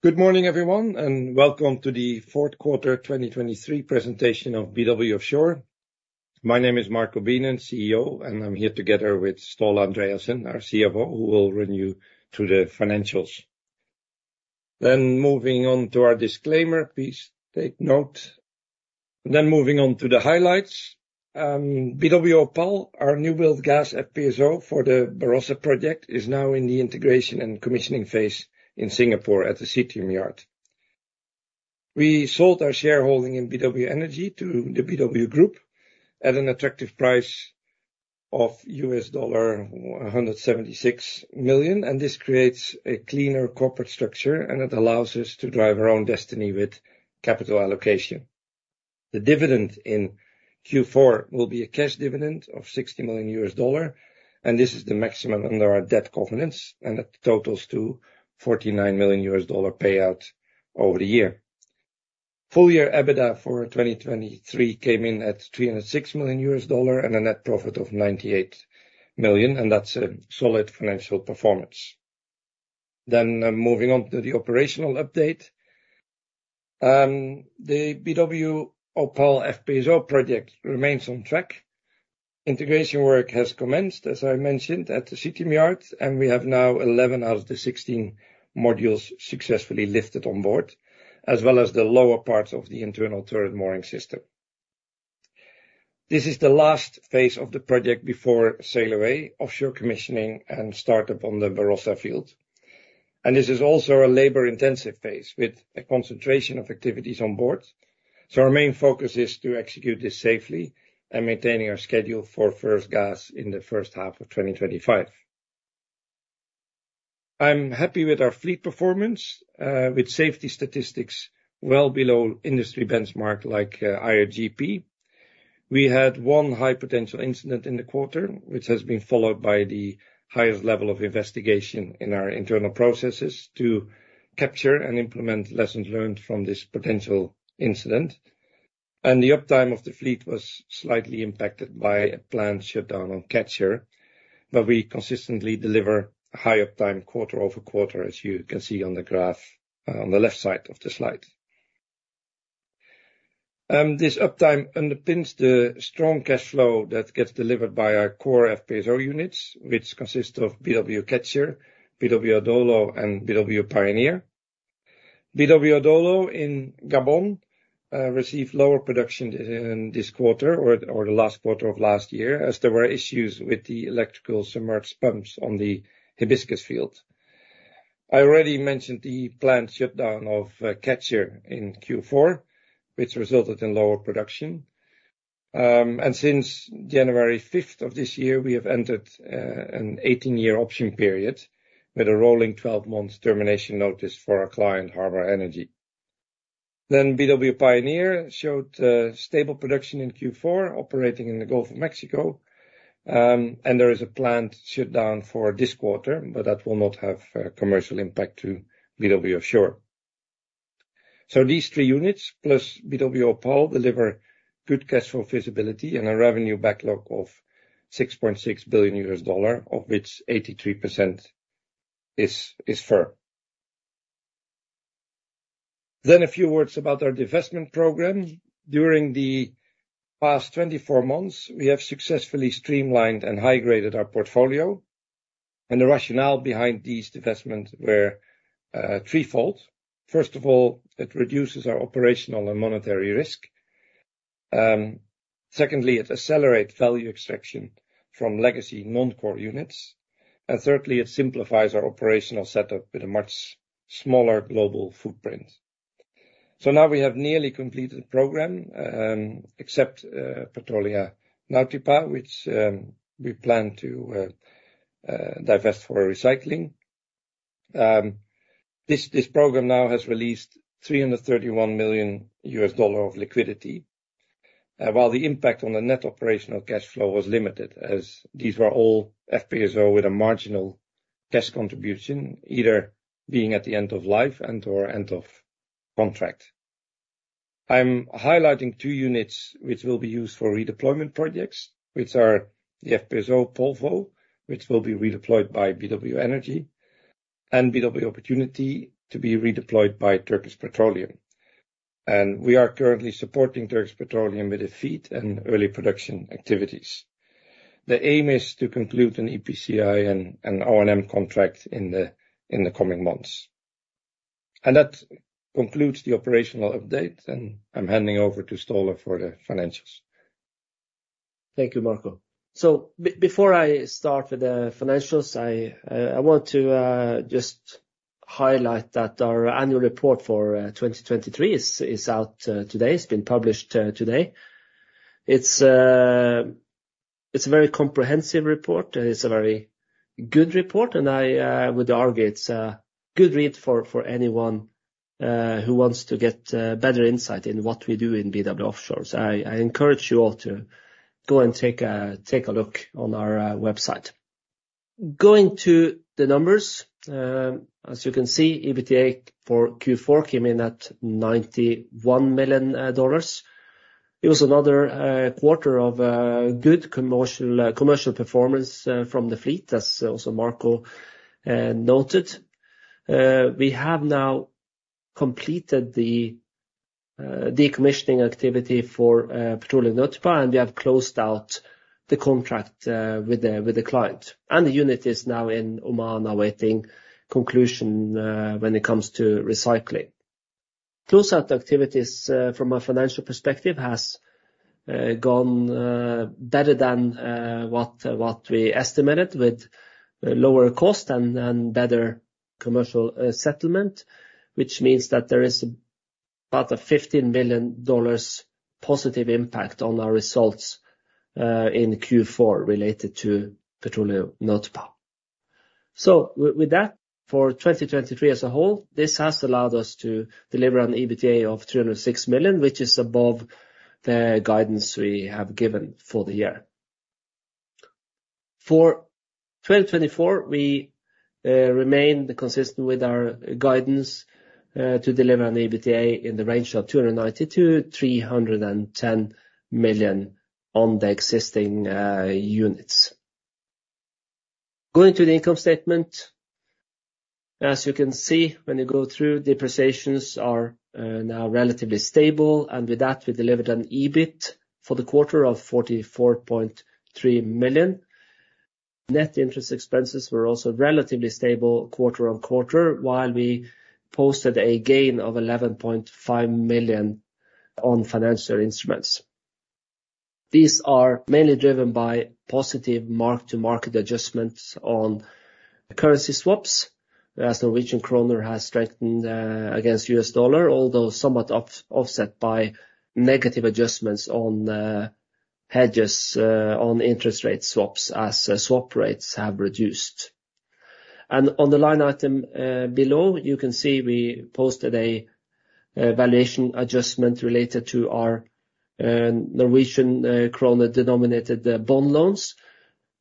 Good morning, everyone, and welcome to the fourth quarter 2023 presentation of BW Offshore. My name is Marco Beenen, CEO, and I'm here together with Ståle Andreassen, our CFO, who will run you through the financials. Then moving on to our disclaimer, please take note. Then moving on to the highlights. BW Opal, our new build gas FPSO for the Barossa project, is now in the integration and commissioning phase in Singapore at the Seatrium yard. We sold our shareholding in BW Energy to the BW Group at an attractive price of $176 million, and this creates a cleaner corporate structure, and it allows us to drive our own destiny with capital allocation. The dividend in Q4 will be a cash dividend of $60 million, and this is the maximum under our debt covenants, and that totals to $49 million payout over the year. Full-year EBITDA for 2023 came in at $306 million and a net profit of $98 million, and that's a solid financial performance. Moving on to the operational update. The BW Opal FPSO project remains on track. Integration work has commenced, as I mentioned, at the Seatrium yard, and we have now 11 out of the 16 modules successfully lifted on board, as well as the lower parts of the internal turret mooring system. This is the last phase of the project before sail away, offshore commissioning and startup on the Barossa field. This is also a labor-intensive phase with a concentration of activities on board. So our main focus is to execute this safely and maintaining our schedule for first gas in the first half of 2025. I'm happy with our fleet performance, with safety statistics well below industry benchmark, like, IOGP. We had one high potential incident in the quarter, which has been followed by the highest level of investigation in our internal processes to capture and implement lessons learned from this potential incident. And the uptime of the fleet was slightly impacted by a planned shutdown on Catcher, but we consistently deliver a high uptime quarter over quarter, as you can see on the graph on the left side of the slide. This uptime underpins the strong cash flow that gets delivered by our core FPSO units, which consist of BW Catcher, BW Adolo, and BW Pioneer. BW Adolo in Gabon received lower production in this quarter or the last quarter of last year, as there were issues with the electrical submerged pumps on the Hibiscus field. I already mentioned the planned shutdown of Catcher in Q4, which resulted in lower production. Since January 5th of this year, we have entered an 18-year option period with a rolling 12-month termination notice for our client, Harbour Energy. BW Pioneer showed stable production in Q4, operating in the Gulf of Mexico, and there is a planned shutdown for this quarter, but that will not have a commercial impact to BW Offshore. So these three units, plus BW Opal, deliver good cash flow visibility and a revenue backlog of $6.6 billion, of which 83% is firm. Then a few words about our divestment program. During the past 24 months, we have successfully streamlined and high-graded our portfolio, and the rationale behind these divestments were, threefold. First of all, it reduces our operational and monetary risk. Secondly, it accelerates value extraction from legacy non-core units. And thirdly, it simplifies our operational setup with a much smaller global footprint. So now we have nearly completed the program, except, Petróleo Nautipa, which, we plan to, divest for recycling. This program now has released $331 million of liquidity, while the impact on the net operational cash flow was limited, as these were all FPSO with a marginal cash contribution, either being at the end of life and/or end of contract. I'm highlighting two units which will be used for redeployment projects, which are the FPSO Polvo, which will be redeployed by BW Energy, and BW Opportunity to be redeployed by Turkish Petroleum. We are currently supporting Turkish Petroleum with the FEED and early production activities. The aim is to conclude an EPCI and an O&M contract in the, in the coming months. That concludes the operational update, and I'm handing over to Ståle for the financials. Thank you, Marco. So before I start with the financials, I want to just highlight that our annual report for 2023 is out today. It's been published today. It's a very comprehensive report, it's a very good report, and I would argue it's a good read for anyone who wants to get better insight in what we do in BW Offshore. So I encourage you all to go and take a look on our website. Going to the numbers, as you can see, EBITDA for Q4 came in at $91 million. It was another quarter of good commercial performance from the fleet, as also Marco noted. We have now completed the decommissioning activity for Petróleo Nautipa, and we have closed out the contract with the client. And the unit is now in Oman awaiting conclusion when it comes to recycling. Close-out activities from a financial perspective have gone better than what we estimated, with lower cost and better commercial settlement. Which means that there is about a $15 million positive impact on our results in Q4 related to Petróleo Nautipa. So with that, for 2023 as a whole, this has allowed us to deliver on the EBITDA of $306 million, which is above the guidance we have given for the year. For 2024, we remain consistent with our guidance to deliver an EBITDA in the range of $290 million-$310 million on the existing units. Going to the income statement. As you can see, when you go through, the positions are now relatively stable, and with that, we delivered an EBIT for the quarter of $44.3 million. Net interest expenses were also relatively stable quarter-on-quarter, while we posted a gain of $11.5 million on financial instruments. These are mainly driven by positive mark-to-market adjustments on currency swaps, as Norwegian kroner has strengthened against U.S. dollar, although somewhat offset by negative adjustments on hedges on interest rate swaps, as swap rates have reduced. On the line item below, you can see we posted a valuation adjustment related to our Norwegian kroner-denominated bond loans.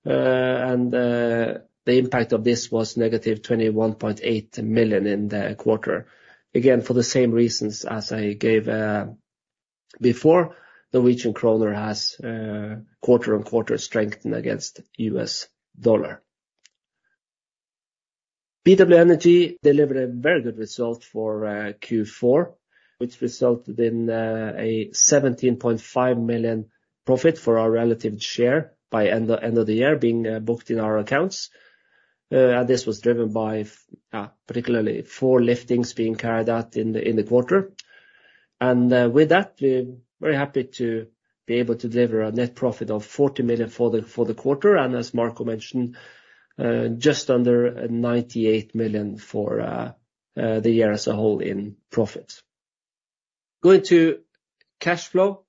The impact of this was -$21.8 million in the quarter. Again, for the same reasons as I gave before, Norwegian kroner has quarter-on-quarter strengthened against U.S. dollar. BW Energy delivered a very good result for Q4, which resulted in a $17.5 million profit for our relative share by end of the year, being booked in our accounts. This was driven by particularly four liftings being carried out in the quarter. With that, we're very happy to be able to deliver a net profit of $40 million for the quarter, and as Marco mentioned, just under $98 million for the year as a whole in profit. Going to cash flow,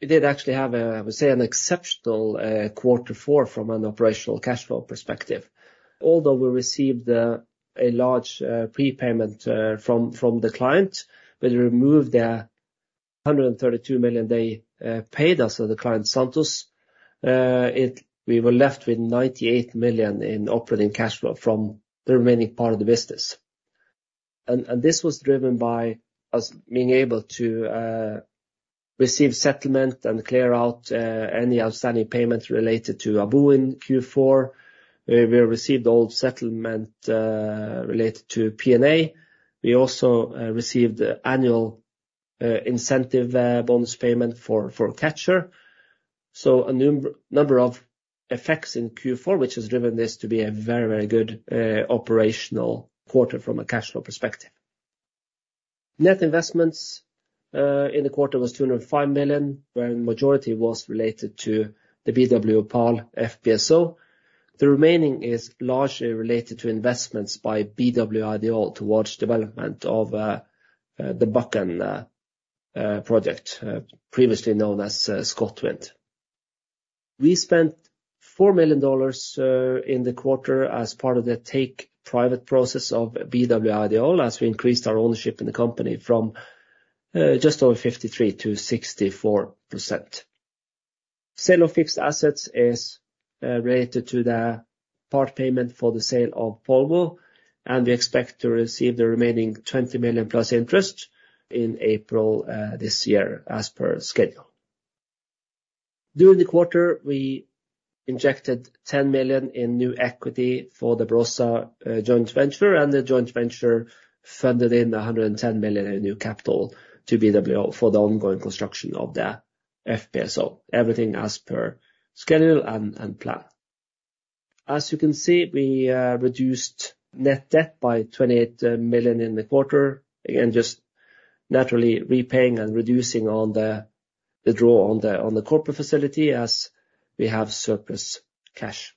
we did actually have, I would say, an exceptional Q4 from an operational cash flow perspective. Although we received a large prepayment from the client, we removed the $132 million they paid us, so the client, Santos. We were left with $98 million in operating cash flow from the remaining part of the business. And this was driven by us being able to receive settlement and clear out any outstanding payments related to Adolo in Q4. We received all settlement related to P&A. We also received annual incentive bonus payment for Catcher. A number of effects in Q4, which has driven this to be a very, very good operational quarter from a cash flow perspective. Net investments in the quarter was $205 million, where majority was related to the BW Opal FPSO. The remaining is largely related to investments by BW Ideol towards development of the Buchan project, previously known as ScotWind. We spent $4 million in the quarter as part of the take-private process of BW Ideol, as we increased our ownership in the company from just over 53% to 64%. Sale of fixed assets is related to the part payment for the sale of Polvo, and we expect to receive the remaining $20 million plus interest in April this year, as per schedule. During the quarter, we injected $10 million in new equity for the Barossa joint venture, and the joint venture funded in $110 million in new capital to BW, for the ongoing construction of the FPSO. Everything as per schedule and plan. As you can see, we reduced net debt by $28 million in the quarter. Again, just naturally repaying and reducing on the draw on the corporate facility as we have surplus cash.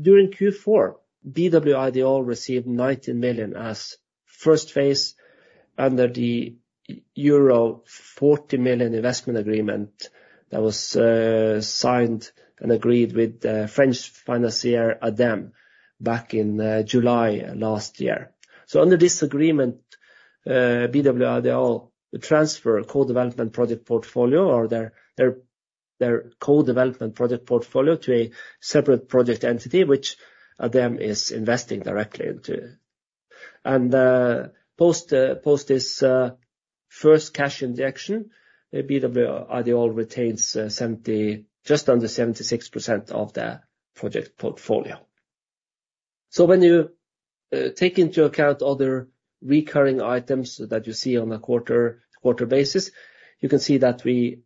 During Q4, BW Ideol received 19 million as first phase under the euro 40 million investment agreement that was signed and agreed with French financier ADEME back in July last year. So under this agreement, BW Ideol, they'll transfer co-development project portfolio or their co-development project portfolio to a separate project entity, which ADEME is investing directly into. And post this first cash injection, BW Ideol retains just under 76% of the project portfolio. So when you take into account other recurring items that you see on a quarter-on-quarter basis, you can see that we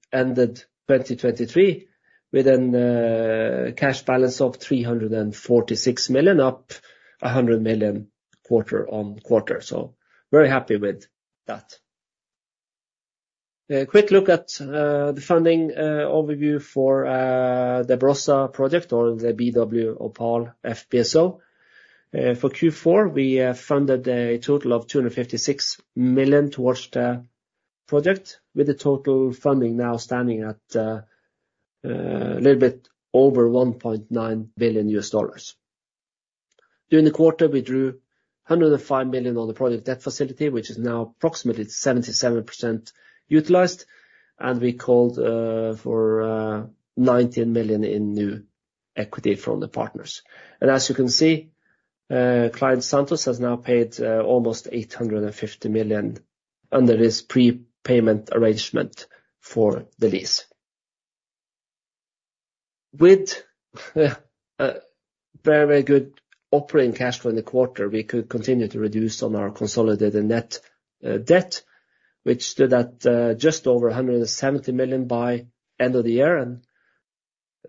ended 2023 with a cash balance of $346 million, up $100 million quarter-on-quarter. So very happy with that. A quick look at the funding overview for the Barossa project or the BW Opal FPSO. For Q4, we funded a total of $256 million towards the project, with the total funding now standing at a little bit over $1.9 billion. During the quarter, we drew $105 million on the project debt facility, which is now approximately 77% utilized, and we called for $19 million in new equity from the partners. As you can see, client Santos has now paid almost $850 million under this prepayment arrangement for the lease. With a very good operating cash flow in the quarter, we could continue to reduce on our consolidated net debt, which stood at just over $170 million by end of the year. And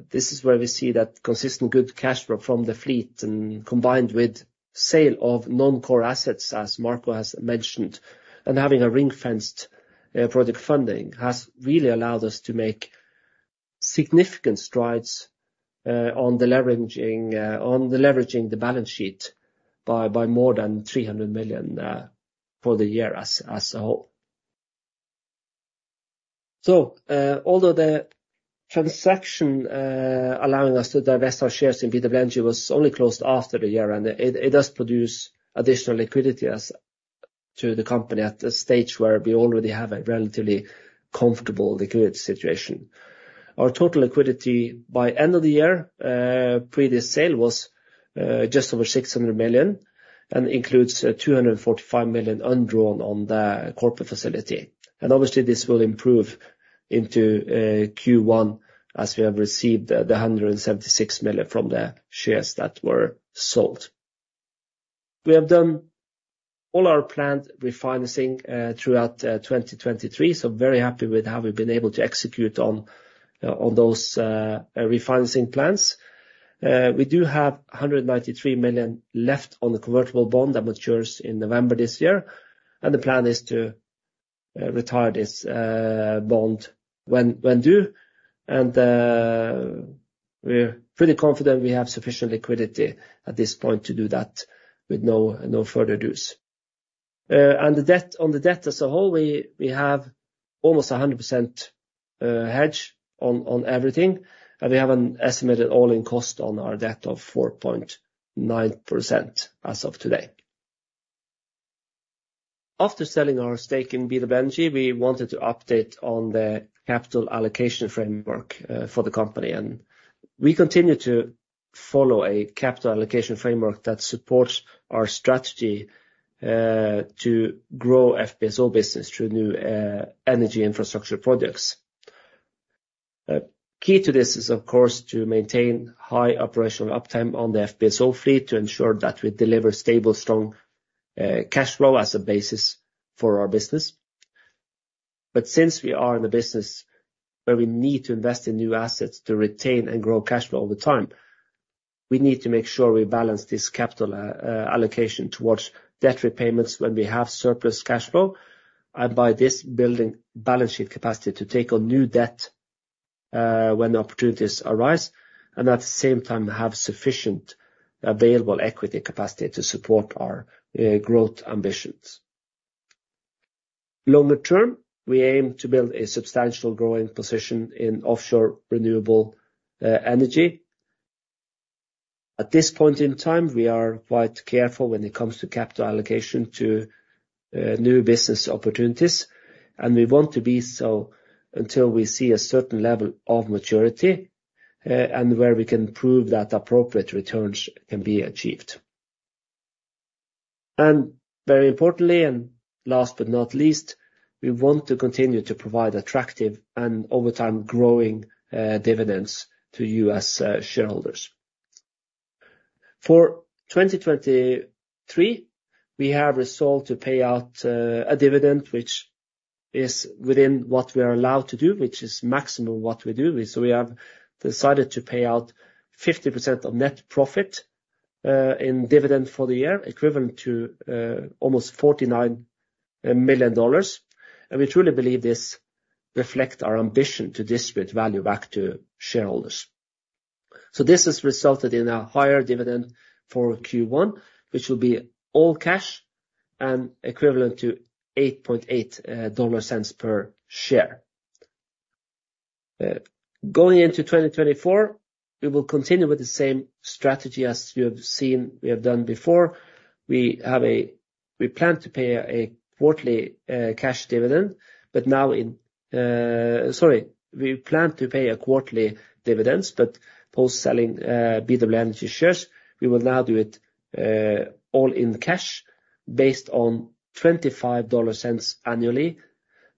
this is where we see that consistent good cash flow from the fleet, and combined with sale of non-core assets, as Marco has mentioned, and having a ring-fenced project funding, has really allowed us to make significant strides on the leveraging, on the leveraging the balance sheet by more than $300 million for the year as a whole. So, although the transaction allowing us to divest our shares in BW Energy was only closed after the year, and it does produce additional liquidity as to the company at a stage where we already have a relatively comfortable liquidity situation. Our total liquidity by end of the year, pre this sale was just over $600 million and includes $245 million undrawn on the corporate facility. And obviously, this will improve into Q1, as we have received the $176 million from the shares that were sold. We have done all our planned refinancing throughout 2023, so very happy with how we've been able to execute on those refinancing plans. We do have $193 million left on the convertible bond that matures in November this year, and the plan is to retire this bond when due. And we're pretty confident we have sufficient liquidity at this point to do that with no further dues. And the debt, on the debt as a whole, we, we have almost 100%, hedge on, on everything, and we have an estimated all-in cost on our debt of 4.9% as of today. After selling our stake in BW Energy, we wanted to update on the capital allocation framework, for the company. We continue to follow a capital allocation framework that supports our strategy, to grow FPSO business through new, energy infrastructure projects. Key to this is, of course, to maintain high operational uptime on the FPSO fleet to ensure that we deliver stable, strong, cash flow as a basis for our business. But since we are in the business where we need to invest in new assets to retain and grow cash flow over time, we need to make sure we balance this capital allocation towards debt repayments when we have surplus cash flow, and by this, building balance sheet capacity to take on new debt when opportunities arise, and at the same time, have sufficient available equity capacity to support our growth ambitions. Longer term, we aim to build a substantial growing position in offshore renewable energy. At this point in time, we are quite careful when it comes to capital allocation to new business opportunities, and we want to be so until we see a certain level of maturity and where we can prove that appropriate returns can be achieved. Very importantly, and last but not least, we want to continue to provide attractive and over time, growing, dividends to you as shareholders. For 2023, we have resolved to pay out a dividend which is within what we are allowed to do, which is maximum what we do. So we have decided to pay out 50% of net profit in dividend for the year, equivalent to almost $49 million. And we truly believe this reflect our ambition to distribute value back to shareholders. So this has resulted in a higher dividend for Q1, which will be all cash and equivalent to $0.088 per share. Going into 2024, we will continue with the same strategy as you have seen we have done before. We have, we plan to pay a quarterly cash dividend, but now, sorry, we plan to pay quarterly dividends, but post-selling BW Energy shares, we will now do it all in cash, based on $0.25 annually,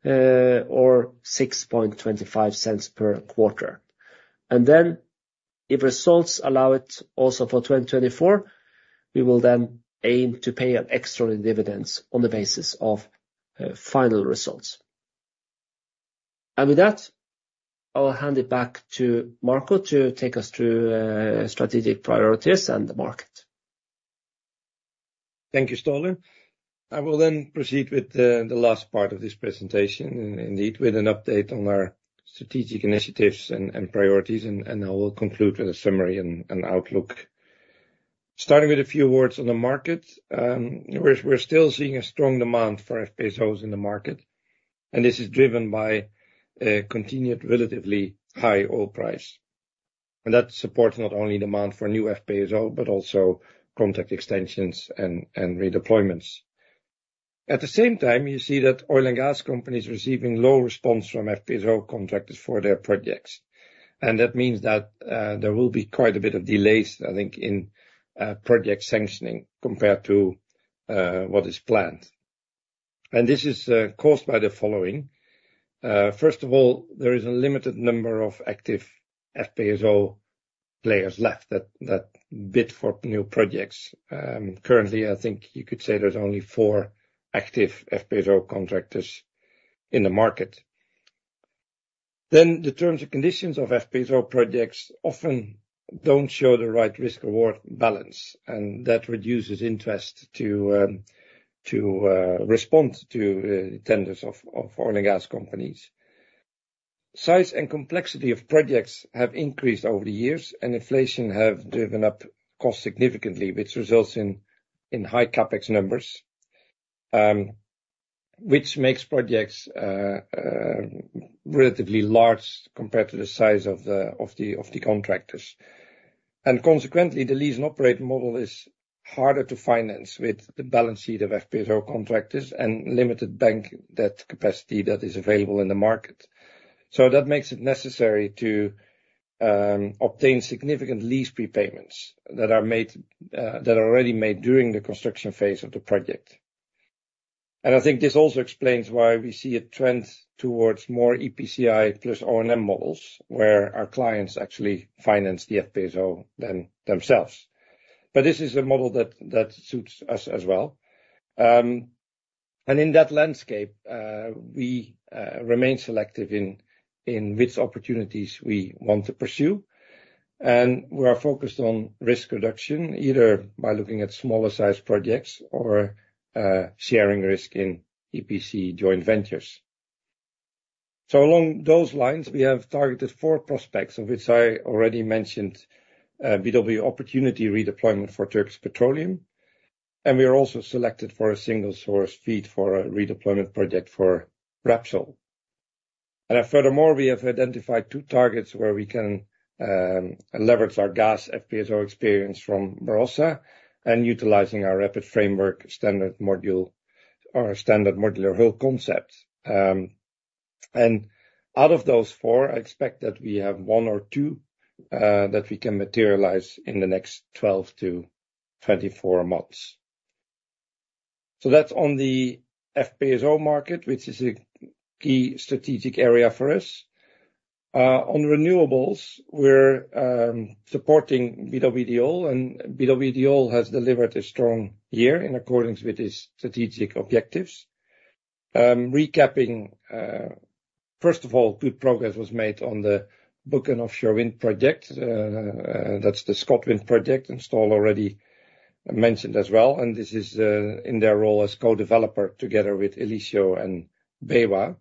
or $0.0625 per quarter. And then, if results allow it also for 2024, we will then aim to pay extraordinary dividends on the basis of final results. And with that, I'll hand it back to Marco to take us through strategic priorities and the market. Thank you, Ståle. I will then proceed with the last part of this presentation, indeed, with an update on our strategic initiatives and priorities, and I will conclude with a summary and outlook. Starting with a few words on the market, we're still seeing a strong demand for FPSOs in the market, and this is driven by a continued relatively high oil price. That supports not only demand for new FPSO, but also contract extensions and redeployments. At the same time, you see that oil and gas companies receiving low response from FPSO contractors for their projects. That means that there will be quite a bit of delays, I think, in project sanctioning compared to what is planned. And this is caused by the following: first of all, there is a limited number of active FPSO players left that bid for new projects. Currently, I think you could say there's only four active FPSO contractors in the market. Then, the terms and conditions of FPSO projects often don't show the right risk-reward balance, and that reduces interest to respond to tenders of oil and gas companies. Size and complexity of projects have increased over the years, and inflation have driven up costs significantly, which results in high CapEx numbers, which makes projects relatively large compared to the size of the contractors. And consequently, the lease and operate model is harder to finance with the balance sheet of FPSO contractors and limited bank debt capacity that is available in the market. So that makes it necessary to obtain significant lease prepayments that are already made during the construction phase of the project. And I think this also explains why we see a trend towards more EPCI plus O&M models, where our clients actually finance the FPSO then themselves. But this is a model that suits us as well. And in that landscape, we remain selective in which opportunities we want to pursue, and we are focused on risk reduction, either by looking at smaller-sized projects or sharing risk in EPC joint ventures. So along those lines, we have targeted four prospects, of which I already mentioned BW Opportunity redeployment for Turkish Petroleum, and we are also selected for a single source FEED for a redeployment project for Repsol. Furthermore, we have identified two targets where we can leverage our gas FPSO experience from Barossa and utilizing our RapidFramework standard modular hull concept. And out of those four, I expect that we have one or two that we can materialize in the next 12-24 months. So that's on the FPSO market, which is a key strategic area for us. On renewables, we're supporting BW Ideol, and BW Ideol has delivered a strong year in accordance with its strategic objectives. Recapping, first of all, good progress was made on the Buchan offshore wind project, that's the Scotland project, and Ståle already mentioned as well, and this is in their role as co-developer together with Elicio and BayWa.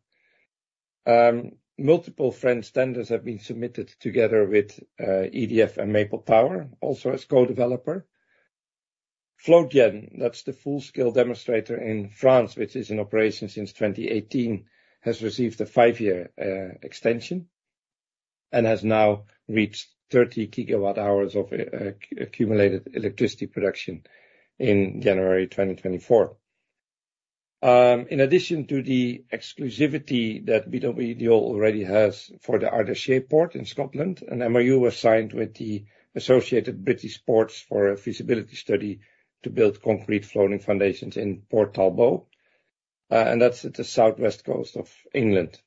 Multiple French tenders have been submitted together with EDF and Maple Power, also as co-developer. Floatgen, that's the full-scale demonstrator in France, which is in operation since 2018, has received a five-year extension and has now reached 30 GWh of accumulated electricity production in January 2024. In addition to the exclusivity that BW Ideol already has for the Ardersier port in Scotland, an MoU was signed with the Associated British Ports for a feasibility study to build concrete floating foundations in Port Talbot, and that's at the southwest coast of England.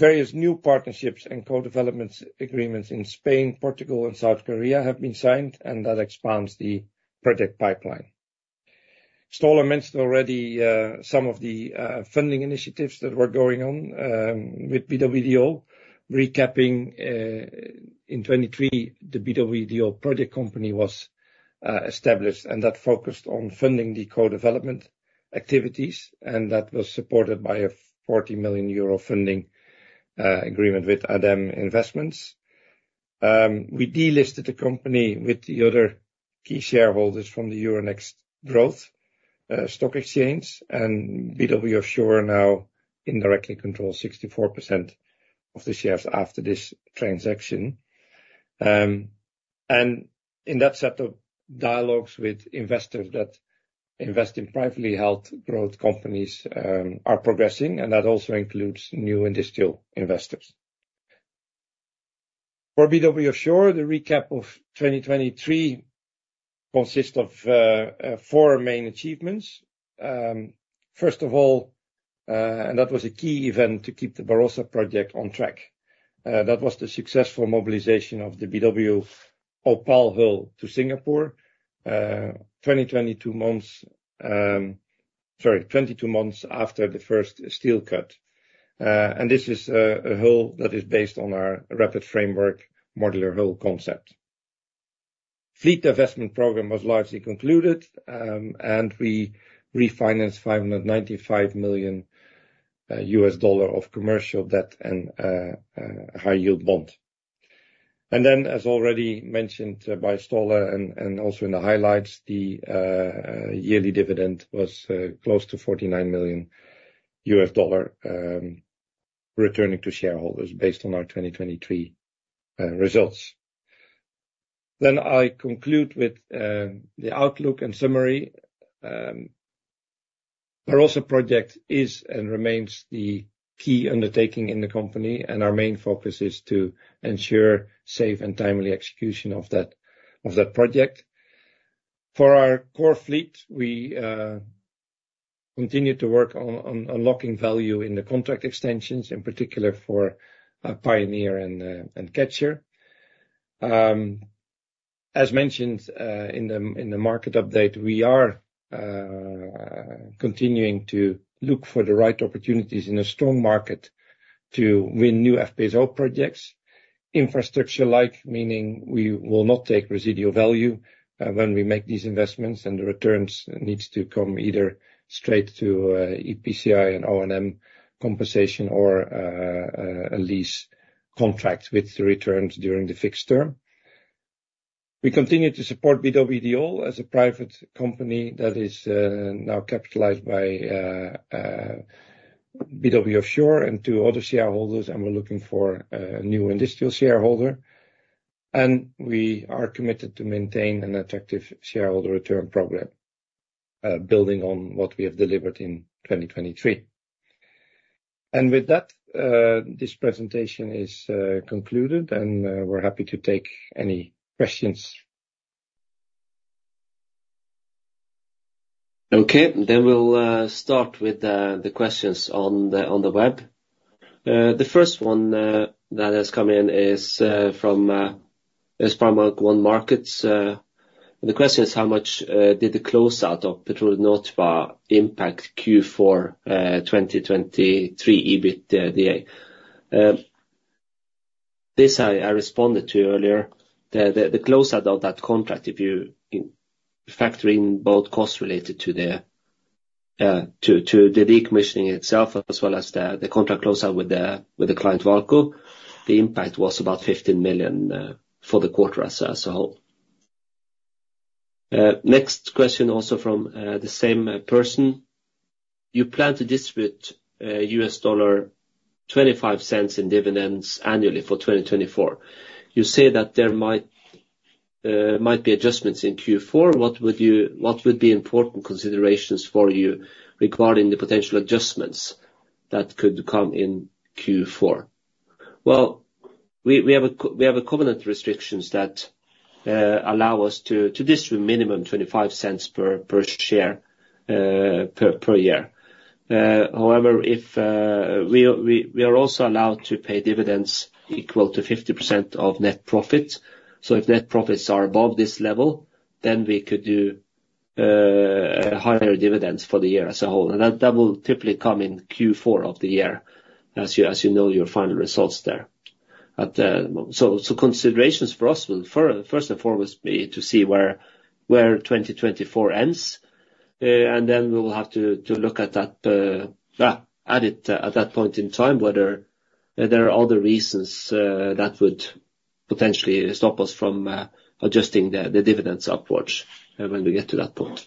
Various new partnerships and co-development agreements in Spain, Portugal, and South Korea have been signed, and that expands the project pipeline. Ståle mentioned already some of the funding initiatives that were going on with BW Ideol. Recapping, in 2023, the BW Ideol project company was established, and that focused on funding the co-development activities, and that was supported by a 40 million euro funding agreement with ADEME Investissement. We delisted the company with the other key shareholders from the Euronext Growth stock exchange, and BW Offshore now indirectly controls 64% of the shares after this transaction. And in that set of dialogues with investors that invest in privately held growth companies, are progressing, and that also includes new industrial investors. For BW Offshore, the recap of 2023 consists of four main achievements. First of all, and that was a key event to keep the Barossa project on track, that was the successful mobilization of the BW Opal hull to Singapore. Twenty-two months, sorry, 22 months after the first steel cut. This is a hull that is based on our RapidFramework modular hull concept. Fleet investment program was largely concluded, and we refinanced $595 million of commercial debt and high yield bond. Then, as already mentioned by Ståle and also in the highlights, the yearly dividend was close to $49 million, returning to shareholders based on our 2023 results. Then I conclude with the outlook and summary. Barossa project is and remains the key undertaking in the company, and our main focus is to ensure safe and timely execution of that project. For our core fleet, we continue to work on unlocking value in the contract extensions, in particular for Pioneer and Catcher. As mentioned in the market update, we are continuing to look for the right opportunities in a strong market to win new FPSO projects. Infrastructure-like, meaning we will not take residual value when we make these investments, and the returns needs to come either straight to EPCI and O&M compensation or a lease contract with the returns during the fixed term. We continue to support BW Ideol as a private company that is now capitalized by BW Offshore and two other shareholders, and we're looking for a new industrial shareholder. We are committed to maintain an attractive shareholder return program building on what we have delivered in 2023. With that, this presentation is concluded, and we're happy to take any questions. Okay. Then we'll start with the questions on the web. The first one that has come in is from SpareBank 1 Markets. The question is: How much did the closeout of Petróleo Nautipa impact Q4 2023 EBITDA? This I responded to earlier. The close out of that contract, if you factor in both costs related to the decommissioning itself, as well as the contract close out with the client, Vaalco, the impact was about $15 million for the quarter as a whole. Next question, also from the same person. You plan to distribute $0.25 in dividends annually for 2024. You say that there might be adjustments in Q4. What would be important considerations for you regarding the potential adjustments that could come in Q4? Well, we have covenant restrictions that allow us to distribute minimum $0.25 per share per year. However, if we are also allowed to pay dividends equal to 50% of net profits. So if net profits are above this level, then we could do higher dividends for the year as a whole, and that will typically come in Q4 of the year, as you know, your final results there. At the, considerations for us will first and foremost be to see where 2024 ends, and then we will have to look at that at it at that point in time, whether there are other reasons that would potentially stop us from adjusting the dividends upwards when we get to that point.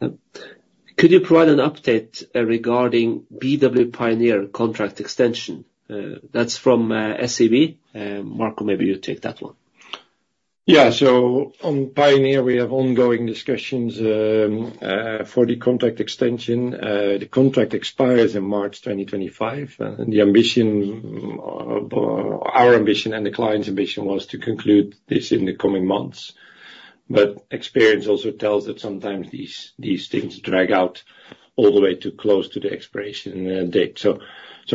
Could you provide an update regarding BW Pioneer contract extension? That's from SEB. Marco, maybe you take that one. Yeah. So on BW Pioneer, we have ongoing discussions for the contract extension. The contract expires in March 2025. And the ambition, our ambition and the client's ambition was to conclude this in the coming months. But experience also tells that sometimes these things drag out all the way to close to the expiration date. So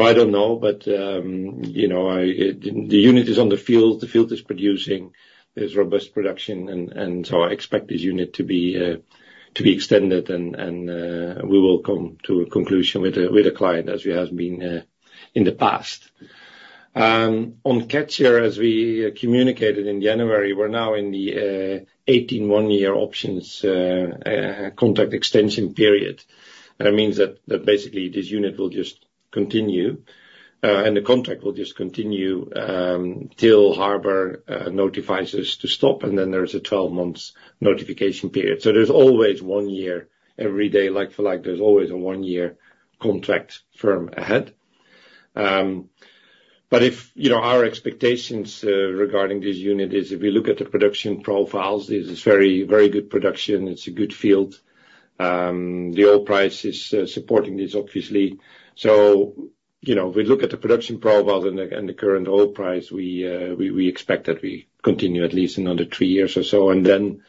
I don't know, but you know, I the unit is on the field, the field is producing, there's robust production, and we will come to a conclusion with the client, as we have been in the past. On Catcher, as we communicated in January, we're now in the eighteen one-year options contract extension period. It means that basically this unit will just continue, and the contract will just continue, till Harbour notifies us to stop, and then there is a 12-month notification period. So there's always one year, every day, like for like, there's always a one-year contract firm ahead. But if, you know, our expectations regarding this unit is if we look at the production profiles, this is very, very good production. It's a good field. The oil price is supporting this, obviously. So, you know, we look at the production profile and the, and the current oil price, we expect that we continue at least another three years or so. And then,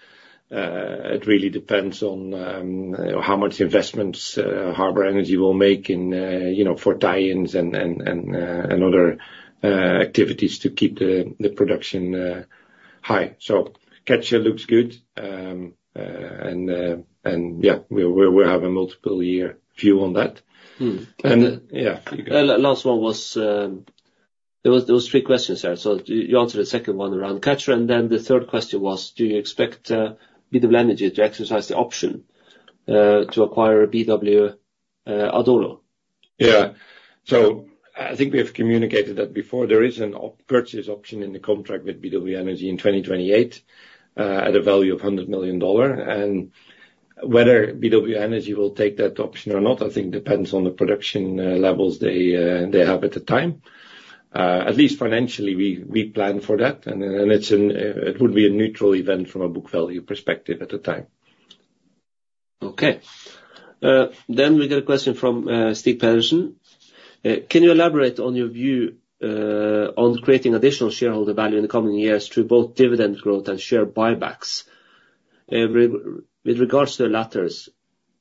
it really depends on how much investments Harbour Energy will make in, you know, for tie-ins and other activities to keep the production high. So Catcher looks good. And yeah, we have a multiple year view on that. Mm. And, yeah. Last one was. There was three questions there. So you answered the second one around Catcher, and then the third question was: do you expect BW Energy to exercise the option to acquire BW Adolo? Yeah. So I think we have communicated that before. There is a purchase option in the contract with BW Energy in 2028, at a value of $100 million. And whether BW Energy will take that option or not, I think depends on the production levels they have at the time. At least financially, we plan for that, and it's an it would be a neutral event from a book value perspective at the time. Okay. Then we get a question from Steve Patterson. Can you elaborate on your view on creating additional shareholder value in the coming years through both dividend growth and share buybacks? With regards to the latter,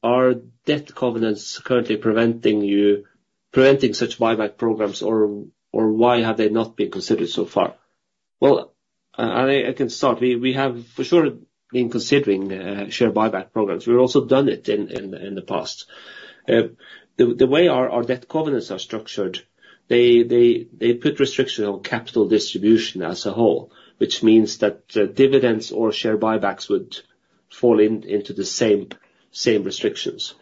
are debt covenants currently preventing you from such buyback programs, or why have they not been considered so far? Well, I can start. We have for sure been considering share buyback programs. We've also done it in the past. The way our debt covenants are structured, they put restriction on capital distribution as a whole, which means that dividends or share buybacks would fall into the same restrictions.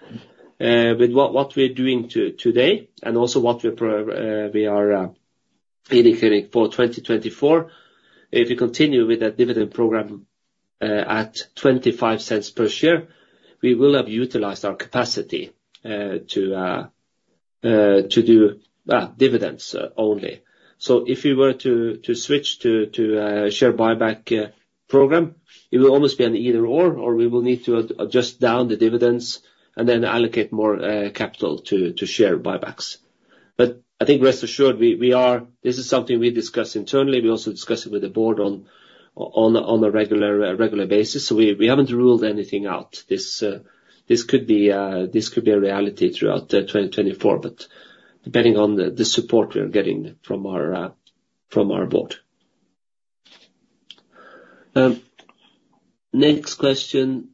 With what we're doing today, and also what we're indicating for 2024, if we continue with that dividend program, at $0.25 per share, we will have utilized our capacity to do dividends only. So if we were to switch to share buyback program, it will almost be an either/or, or we will need to adjust down the dividends and then allocate more capital to share buybacks. But I think rest assured, we are. This is something we discuss internally. We also discuss it with the board on a regular basis. So we haven't ruled anything out. This could be a reality throughout 2024, but depending on the support we are getting from our board. Next question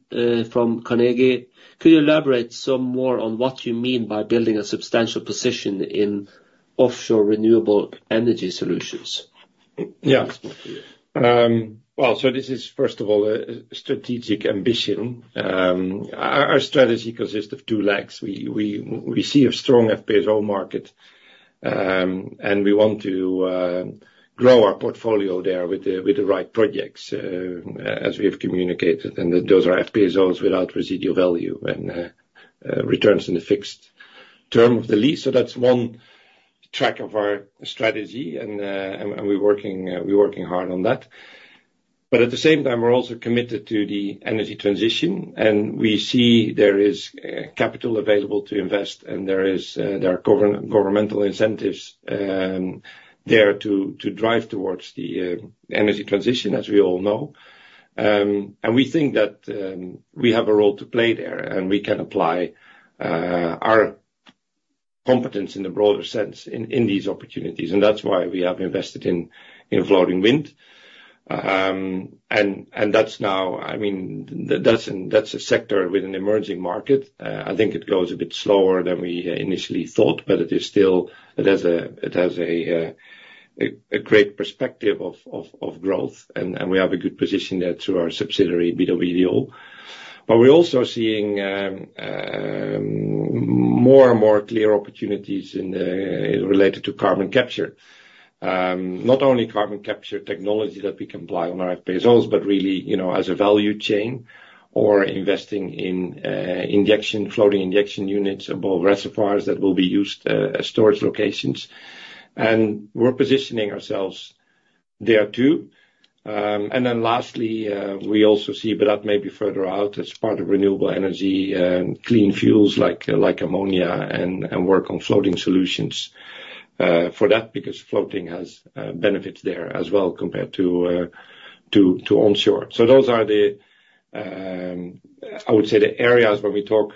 from Carnegie: Could you elaborate some more on what you mean by building a substantial position in offshore renewable energy solutions? Yeah. Well, so this is, first of all, a strategic ambition. Our strategy consists of two legs. We see a strong FPSO market, and we want to grow our portfolio there with the right projects, as we have communicated, and those are FPSOs without residual value and returns in the fixed term of the lease. So that's one track of our strategy, and we're working hard on that. But at the same time, we're also committed to the energy transition, and we see there is capital available to invest and there are governmental incentives there to drive towards the energy transition, as we all know. We think that we have a role to play there, and we can apply our competence in the broader sense in these opportunities. That's why we have invested in floating wind. And that's now. I mean, that's a sector with an emerging market. I think it goes a bit slower than we initially thought, but it is still. It has a great perspective of growth, and we have a good position there through our subsidiary, BW Ideol. But we're also seeing more and more clear opportunities related to carbon capture. Not only carbon capture technology that we can apply on our FPSOs, but really, you know, as a value chain or investing in, injection, floating injection units above reservoirs that will be used, as storage locations. And we're positioning ourselves there, too. And then lastly, we also see, but that may be further out as part of renewable energy, clean fuels like, like ammonia, and, and work on floating solutions, for that, because floating has, benefits there as well compared to, to, to onshore. So those are the, I would say, the areas where we talk,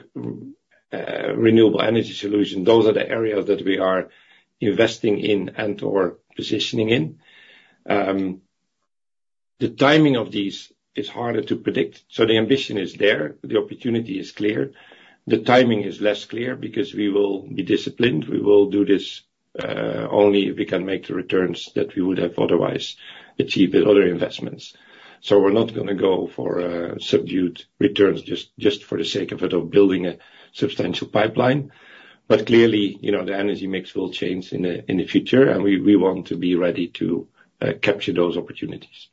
renewable energy solution. Those are the areas that we are investing in and/or positioning in. The timing of these is harder to predict, so the ambition is there, the opportunity is clear. The timing is less clear because we will be disciplined. We will do this only if we can make the returns that we would have otherwise achieved with other investments. So we're not gonna go for subdued returns just, just for the sake of it, of building a substantial pipeline. But clearly, you know, the energy mix will change in the future, and we want to be ready to capture those opportunities.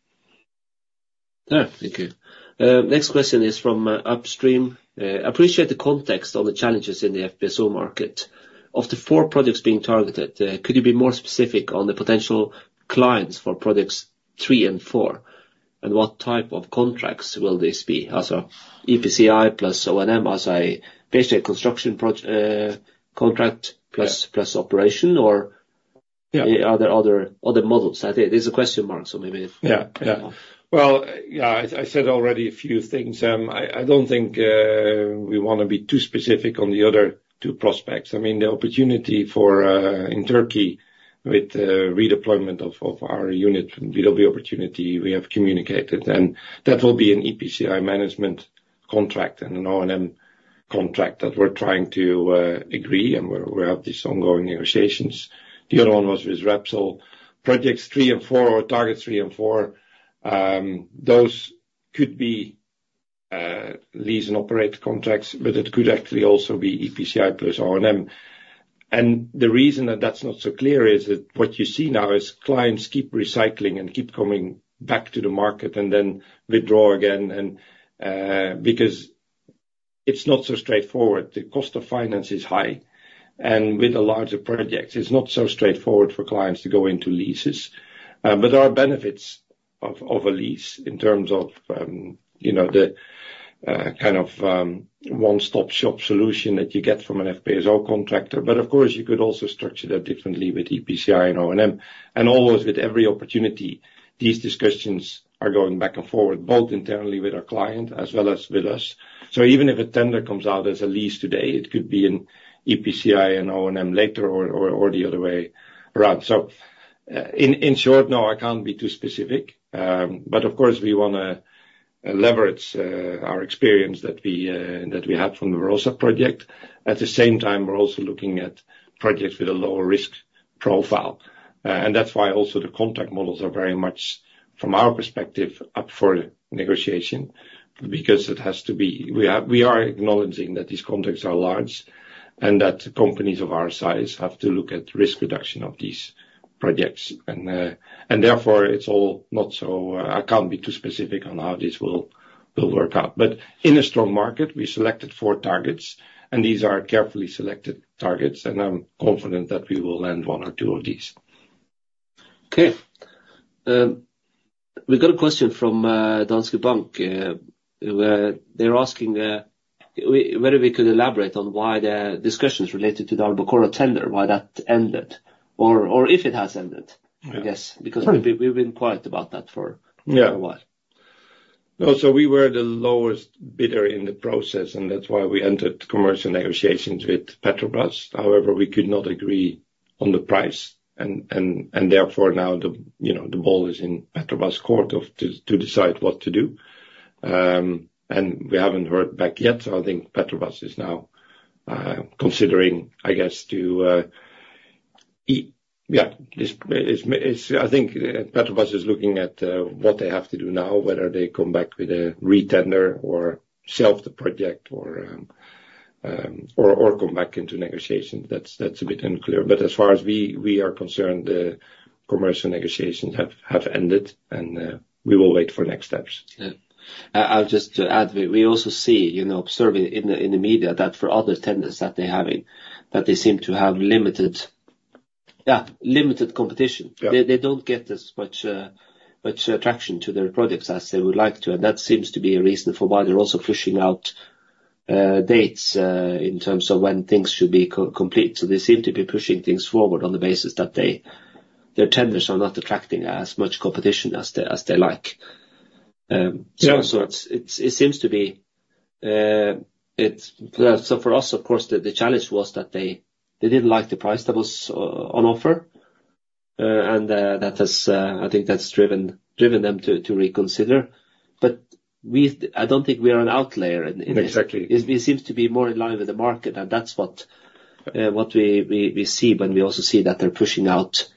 Ah, thank you. Next question is from Upstream. Appreciate the context on the challenges in the FPSO market. Of the four products being targeted, could you be more specific on the potential clients for products three and four? And what type of contracts will this be? As a EPCI plus O&M, as basically a construction proj- contract. Yeah. Plus operation, or. Yeah. Are there other models? I think there's a question mark, so maybe if. Yeah. Yeah. Well, yeah, I said already a few things. I don't think we wanna be too specific on the other two prospects. I mean, the opportunity for in Turkey with redeployment of our unit from BW Opportunity, we have communicated, and that will be an EPCI management contract and an O&M contract that we're trying to agree, and we have these ongoing negotiations. The other one was with Repsol. Projects three and four, or targets three and four, those could be lease and operate contracts, but it could actually also be EPCI plus O&M. And the reason that that's not so clear is that what you see now is clients keep recycling and keep coming back to the market and then withdraw again, because it's not so straightforward. The cost of finance is high, and with the larger projects, it's not so straightforward for clients to go into leases. But there are benefits of a lease in terms of, you know, the kind of one-stop shop solution that you get from an FPSO contractor. But of course, you could also structure that differently with EPCI and O&M. And always with every opportunity, these discussions are going back and forward, both internally with our client as well as with us. So even if a tender comes out as a lease today, it could be an EPCI and O&M later or the other way around. So, in short, no, I can't be too specific. But of course, we wanna leverage our experience that we had from the Rosa project. At the same time, we're also looking at projects with a lower risk profile. And that's why also the contract models are very much, from our perspective, up for negotiation, because it has to be. We are acknowledging that these contracts are large and that companies of our size have to look at risk reduction of these projects. And therefore, it's all not so, I can't be too specific on how this will work out. But in a strong market, we selected four targets, and these are carefully selected targets, and I'm confident that we will land one or two of these. Okay. We got a question from Danske Bank, where they're asking whether we could elaborate on why the discussions related to the Albacora tender, why that ended, or if it has ended, I guess, because. Sure. We've been quiet about that for. Yeah. A while. No, so we were the lowest bidder in the process, and that's why we entered commercial negotiations with Petrobras. However, we could not agree on the price, and therefore, now the, you know, the ball is in Petrobras' court to decide what to do. And we haven't heard back yet, so I think Petrobras is now considering, I guess, Petrobras is looking at what they have to do now, whether they come back with a re-tender or shelf the project or come back into negotiation. That's a bit unclear. But as far as we are concerned, the commercial negotiations have ended, and we will wait for next steps. Yeah. I'll just add, we, we also see, you know, observing in the, in the media, that for other tenders that they're having, that they seem to have limited, yeah, limited competition. Yeah. They, they don't get as much, much attraction to their products as they would like to, and that seems to be a reason for why they're also pushing out, dates, in terms of when things should be complete. So they seem to be pushing things forward on the basis that their tenders are not attracting as much competition as they, as they like. Yeah. So it seems to be. So for us, of course, the challenge was that they didn't like the price that was on offer. And that has, I think, driven them to reconsider. But I don't think we are an outlier in this. Exactly. It seems to be more in line with the market, and that's what we see when we also see that they're pushing out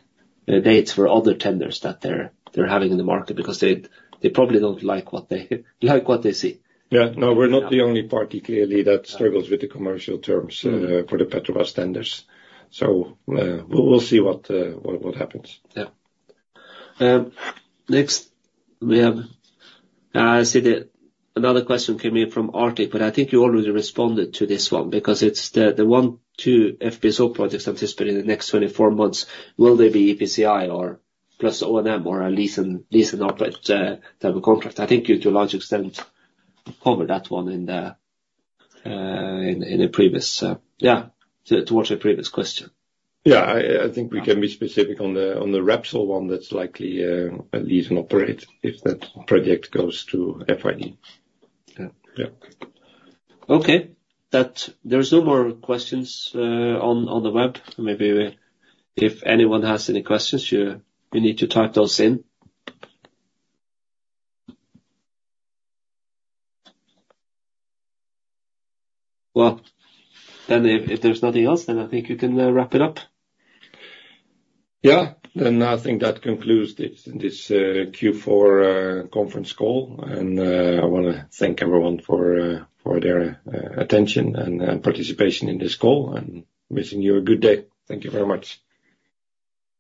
dates for other tenders that they're having in the market, because they probably don't like what they see. Yeah. No, we're not the only party, clearly, that struggles with the commercial terms. Mm-hmm. For the Petrobras tenders. So, we'll see what happens. Yeah. Next, we have. I see that another question came in from Arctic, but I think you already responded to this one, because it's the 1-2 FPSO projects anticipated in the next 24 months. Will they be EPCI or plus O&M or a lease and operate type of contract? I think you to a large extent covered that one in response to a previous question. Yeah, I think we can be specific on the, on the Repsol one, that's likely a lease and operate if that project goes to FID. Yeah. Yeah. Okay. That's, there are no more questions on the web. Maybe if anyone has any questions, you need to type those in. Well, then if there's nothing else, then I think you can wrap it up. Yeah. Then I think that concludes this Q4 conference call. And I wanna thank everyone for their attention and participation in this call, and wishing you a good day. Thank you very much.